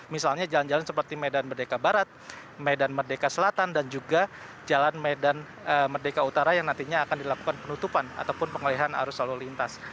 misalnya jalan jalan seperti medan merdeka barat medan merdeka selatan dan juga jalan medan merdeka utara yang nantinya akan dilakukan penutupan ataupun pengalihan arus lalu lintas